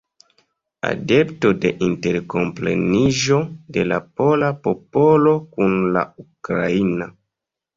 Adepto de interkompreniĝo de la pola popolo kun la ukraina.